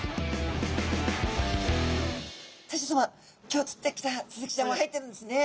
今日釣ってきたスズキちゃんも入っているんですね？